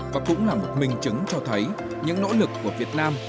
và cũng là một minh chứng cho thấy những nỗ lực của việt nam